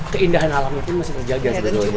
keindahan alam pun masih terjaga